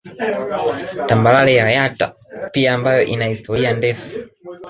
Tambarare ya Yatta pia ambayo ina historia ndefu